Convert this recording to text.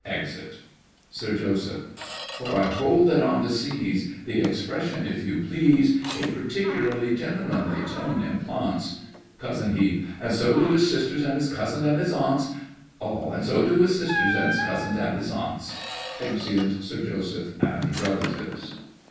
[Exit. SIR JOSEPH. For I hold that on the seas The expression, "if you please", A particularly gentlemanly tone implants. COUSIN HEBE. And so do his sisters, and his cousins, and his aunts! ALL. And so do his sisters, and his cousins, and his aunts! [Exeunt SIR JOSEPH AND RELATIVES.